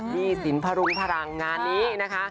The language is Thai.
หนี้สินพรุงพลังงานนี้นะคะ